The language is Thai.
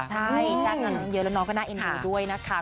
ใช่จ้างงานน้องเยอะแล้วน้องก็น่าเอ็นดูด้วยนะคะ